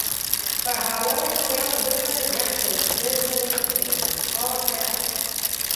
په هواره کې یو له بل سره جنګ کوي، ده زه وپوښتل: آ ښه.